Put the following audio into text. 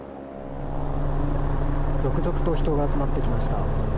続々と人が集まってきました。